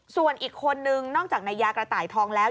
ส่วนอีกคนนึงนอกจากนายยากระต่ายทองแล้ว